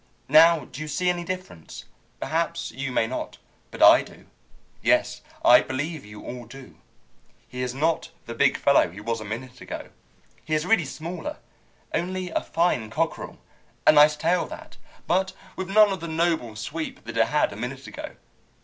Now do you see any difference? Perhaps you may not, but I do. Yes, I believe you all do. He is not the big fellow he was a minute ago. He is really smaller only a fine cockerel. A nice tail that, but with none of the noble sweep that it had a minute ago.